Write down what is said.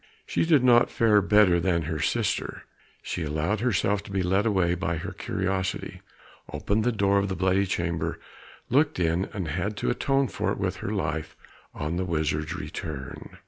She did not fare better than her sister. She allowed herself to be led away by her curiosity, opened the door of the bloody chamber, looked in, and had to atone for it with her life on the wizard's return.